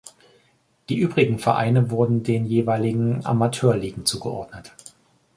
Die übrigen Vereine wurden den jeweiligen Amateurligen zugeordnet.